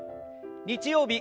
日曜日